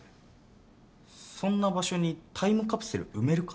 そんな場所にタイムカプセル埋めるか？